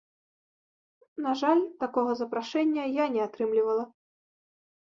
На жаль, такога запрашэння я не атрымлівала.